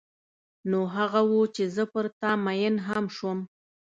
نو هغه و چې زه پر تا مینه هم شوم.